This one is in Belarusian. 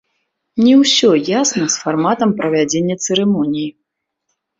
Не ўсё ясна з фарматам правядзення цырымоніі.